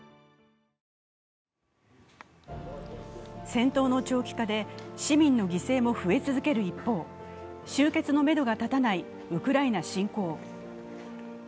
戦闘の長期化で市民の犠牲も増え続ける一方、終結のめどが立たないウクライナ侵攻。